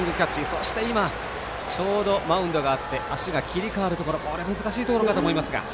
そして今ちょうどマウンドがあって足が切り替わるところ難しいところかと思いますが。